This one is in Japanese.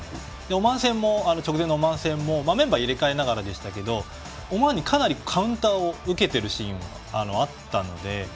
オマーン戦も直前でメンバーを入れ替えましたがオマーンにかなりカウンターを受けているシーンがあったので。